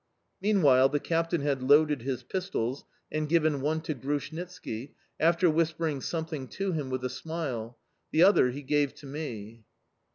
Meanwhile the captain had loaded his pistols and given one to Grushnitski, after whispering something to him with a smile; the other he gave to me.